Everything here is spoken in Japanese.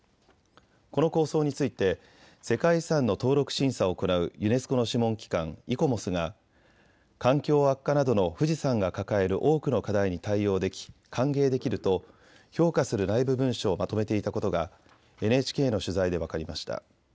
この構想について世界遺産の登録審査審査を行うユネスコの諮問機関、イコモスが環境悪化などの富士山が抱える多くの課題に対応でき歓迎できると評価する内部文書をまとめていたことがＮＨＫの取材で分かりました。